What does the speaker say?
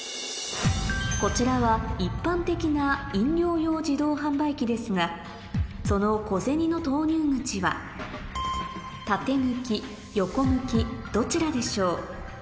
こちらは一般的なですがその小銭の投入口は縦向き横向きどちらでしょう？